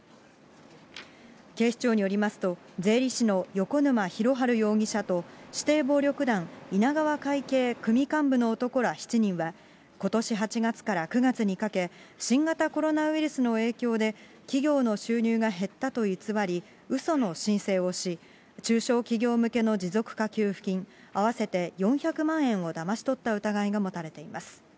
警視庁によりますと、税理士の横沼弘晴容疑者と、指定暴力団稲川会系組幹部の男ら７人は、ことし８月から９月にかけ、新型コロナウイルスの影響で企業の収入が減ったと偽り、うその申請をし、中小企業向けの持続化給付金合わせて４００万円をだまし取った疑いが持たれています。